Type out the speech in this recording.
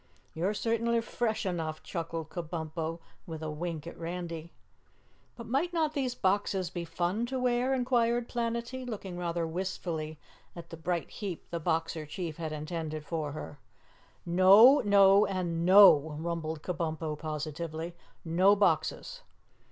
"You're certainly fresh enough," chuckled Kabumpo with a wink at Randy. "But might not these boxes be fun to wear?" inquired Planetty, looking rather wistfully at the bright heap the Boxer Chief had intended for her. "No, No and NO!" rumbled Kabumpo positively. "No boxes!"